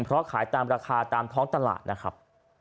เพราะขายตามราคาตามท้องตลาดนะครับ